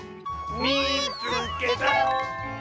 「みいつけた！」。